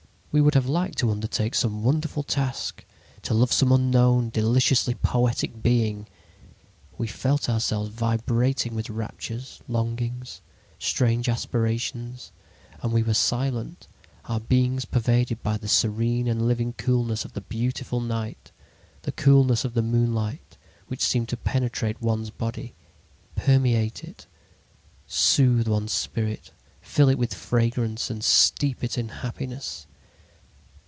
We would have liked to undertake some wonderful task, to love some unknown, deliciously poetic being. We felt ourselves vibrating with raptures, longings, strange aspirations. And we were silent, our beings pervaded by the serene and living coolness of the beautiful night, the coolness of the moonlight, which seemed to penetrate one's body, permeate it, soothe one's spirit, fill it with fragrance and steep it in happiness.